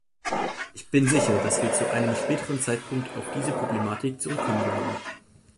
Ich bin sicher, dass wir zu einem späteren Zeitpunkt auf diese Problematik zurückkommen werden.